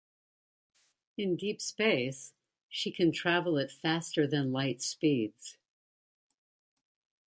In deep space, she can travel at faster-than-light speeds.